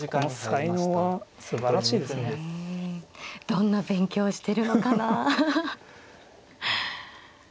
どんな勉強してるのかなあ。